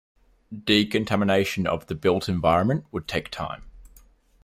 Decontamination of the built environment would take time.